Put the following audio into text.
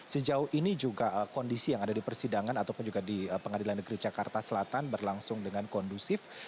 sejauh ini juga kondisi yang ada di persidangan ataupun juga di pengadilan negeri jakarta selatan berlangsung dengan kondusif